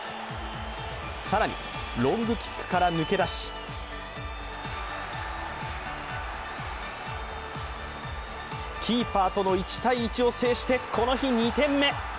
更に、ロングキックから抜け出しキーパーとの１対１を制してこの日２点目。